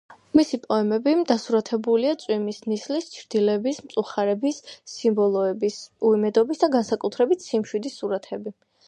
მისი პოემები დასურათებულია წვიმის, ნისლის, ჩრდილების, მწუხარების სიმბოლოების, უიმედობის და განსაკუთრებით სიმშვიდის სურათები.